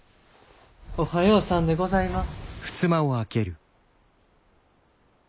おはようさんでございます。